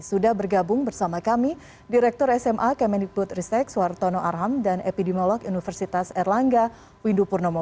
sudah bergabung bersama kami direktur sma kemendikbud ristek suartono arham dan epidemiolog universitas erlangga windu purnomo